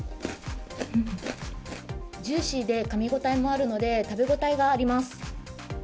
ジューシーでかみ応えもあるので、食べ応えがあります。